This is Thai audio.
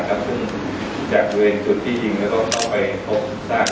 ก็พุ่งจากเวรจุดที่ยิงแล้วก็เข้าไปพบสร้าง